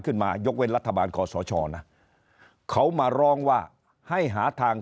ขึ้นมายกเว้นรัฐบาลคอสชนะเขามาร้องว่าให้หาทาง